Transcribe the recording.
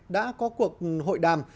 đã có cuộc hội đàm